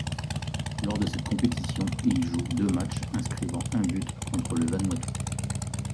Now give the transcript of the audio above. Lors de cette compétition, il joue deux matchs, inscrivant un but contre le Vanuatu.